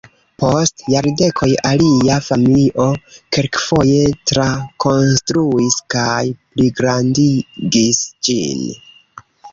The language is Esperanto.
Post jardekoj alia familio kelkfoje trakonstruis kaj pligrandigis ĝin.